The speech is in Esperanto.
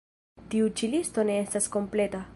Tiu ĉi listo ne estas kompleta.